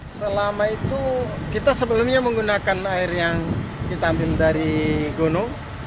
selama itu kita sebelumnya menggunakan air yang kita ambil dari gunung